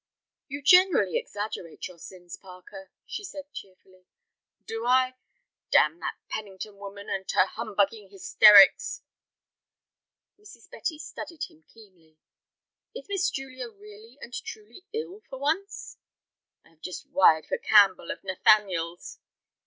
"You generally exaggerate your sins, Parker," she said, cheerfully. "Do I? Damn that Pennington woman and her humbugging hysterics." Mrs. Betty studied him keenly. "Is Miss Julia really and truly ill for once?" "I have just wired for Campbell of 'Nathaniel's'."